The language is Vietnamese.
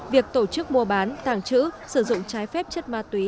việc tổ chức mua bán tàng trữ sử dụng trái phép chất ma túy